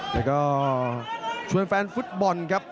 แล้วก็ชวนแฟนฟุตบอลครับ